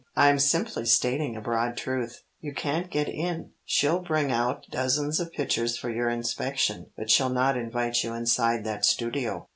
I'm simply stating a broad truth. You can't get in. She'll bring out dozens of pictures for your inspection, but she'll not invite you inside that studio.